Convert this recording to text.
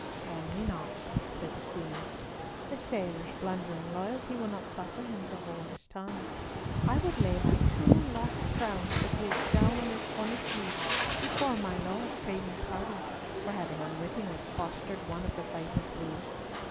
"Tell me not," said the Queen. "The sailor's blundering loyalty will not suffer him to hold his tongue. I would lay my two lost crowns that he is down on his honest knees before my Lord craving pardon for having unwittingly fostered one of the viper brood.